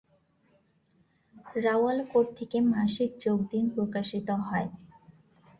রাওয়ালকোট থেকে মাসিক যোগ দিন প্রকাশিত হয়।